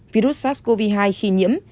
virus sars cov hai khi nhiễm